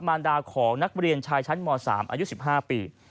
มารดาของนักเรียนชายชั้นม๓อายุ๑๕ปี